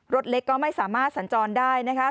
รถเล็กก็ไม่สามารถสัญจรได้นะคะ